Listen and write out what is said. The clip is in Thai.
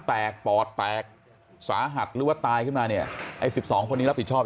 ปอดแตกสาหัสหรือว่าตายขึ้นมาเนี่ยไอ้สิบสองคนนี้รับผิดชอบ